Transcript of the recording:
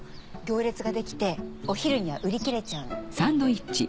行列ができてお昼には売り切れちゃうの。